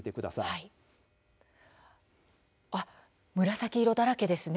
紫色だらけですね。